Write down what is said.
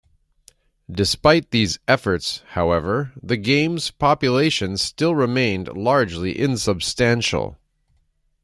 Despite these efforts, however, the game's population still remained largely insubstantial.